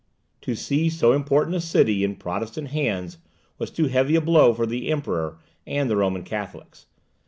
To see so important a city in Protestant hands was too heavy a blow for the Emperor and the Roman Catholics.